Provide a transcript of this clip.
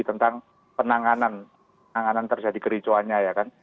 tentang penanganan terjadi kericauannya